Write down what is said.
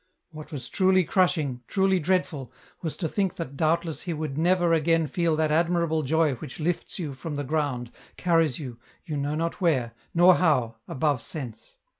What was truly crushing, truly dreadful, was to think that doubtless he would never agam feel that admirable joy which lifts you from the ground, carries you, you know not where, nor how, above sense.